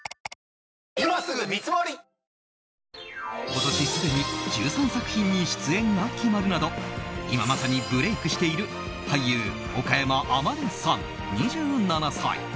今年すでに１３作品に出演が決まるなど今まさにブレークしている俳優・岡山天音さん、２７歳。